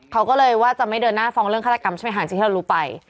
เขาก็เลยว่าจะไม่เดินหน้าฟ้องเรื่องฆาตกรรมใช่ไหมคะสิ่งที่เรารู้ไป